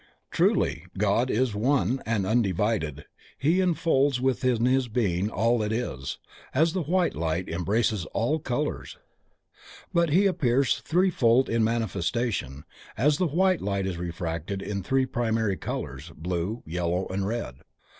Truly, God is ONE and undivided, He enfolds within His Being all that is, as the white light embraces all colors. But He appears three fold in manifestation, as the white light is refracted in three primary colors: Blue, Yellow and Red.